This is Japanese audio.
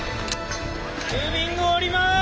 ムービングおります！